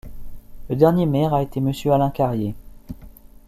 Le dernier maire a été monsieur Alain Carrier.